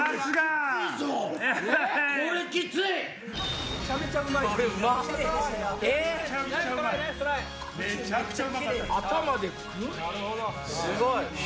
すごい！